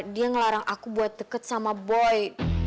dia ngelarang aku buat deket sama boy